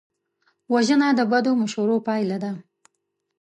وژنه د بدو مشورو پایله ده